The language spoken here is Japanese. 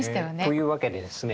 というわけでですね